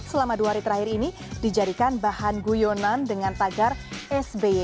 selama dua hari terakhir ini dijadikan bahan guyonan dengan tagar sby